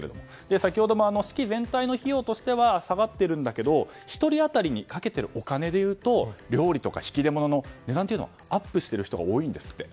先ほども式全体の費用としては下がっているんだけど１人当たりにかけているお金でいうと料理や引き出物の値段はアップしている人が多いんですって。